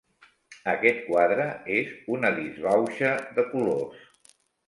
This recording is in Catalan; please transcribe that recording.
Aquest quadre és una disbauxa de colors.